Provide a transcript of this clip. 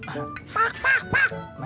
pak pak pak